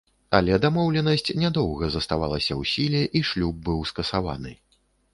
Але дамоўленасць нядоўга заставалася ў сіле, і шлюб быў скасаваны.